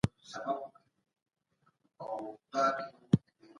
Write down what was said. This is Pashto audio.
ډیپلوماټیک استازي باید په خپلو دندو کي غفلت ونه کړي.